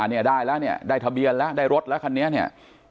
เนี่ยได้แล้วเนี่ยได้ทะเบียนแล้วได้รถแล้วคันนี้เนี่ย